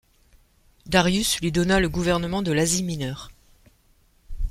Darius lui donna le gouvernement de l'Asie Mineure.